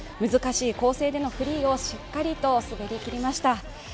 難しい構成でのフリーをしっかりと滑りきりました。